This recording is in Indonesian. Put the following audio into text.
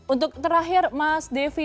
untuk terakhir mas devi